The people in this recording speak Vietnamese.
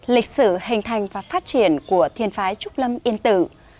lịch sử hình thành và phát triển của thiên phái trúc lâm yên tử